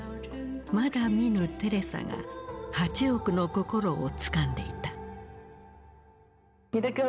まだ見ぬテレサが８億の心をつかんでいた。